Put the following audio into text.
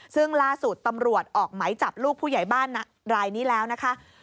ซึ่งล่าสุดตำรวจออกไหมจับลูกผู้ใหญ่บ้านรายนี้แล้วนะคะ